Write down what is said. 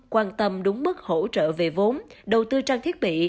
quan tâm đúng mức hỗ trợ về vốn đầu tư trang thiết bị